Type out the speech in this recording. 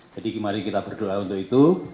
jadi mari kita berdoa untuk itu